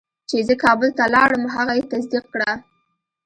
چې زه کابل ته لاړم هغه یې تصدیق کړه.